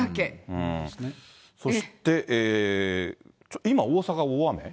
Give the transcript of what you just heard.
そして、今、大阪、大雨？